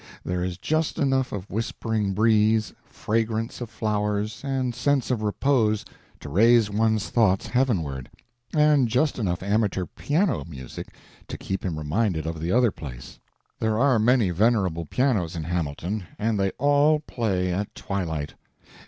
There is just enough of whispering breeze, fragrance of flowers, and sense of repose to raise one's thoughts heavenward; and just enough amateur piano music to keep him reminded of the other place. There are many venerable pianos in Hamilton, and they all play at twilight.